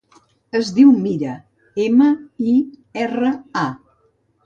Es diu Mira: ema, i, erra, a.